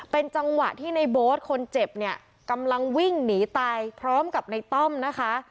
เป็นจังหวะที่ในโบ๊ทคนเจ็บเนี่ยกำลังวิ่งหนีตายพร้อมกับในต้อมนะคะ